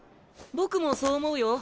僕もそう思うよ。